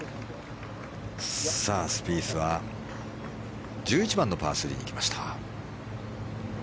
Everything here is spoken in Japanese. スピースは１１番のパー３に来ました。